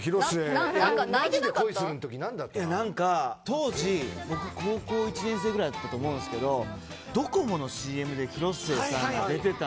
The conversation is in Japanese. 当時僕高校１年生ぐらいだったと思うんすけどドコモのＣＭで広末さんが出てたんすよ。